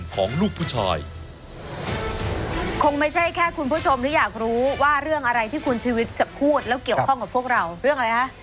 ของลูกผู้ชายคงไม่ใช่แค่คุณผู้ชมที่อยากรู้ว่าเรื่องอะไรที่คุณชีวิตจะพูดแล้วเกี่ยวข้องกับพวกเราเรื่องอะไรฮะ